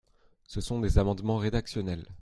Ce sont des amendements rédactionnels.